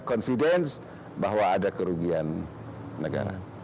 confidence bahwa ada kerugian negara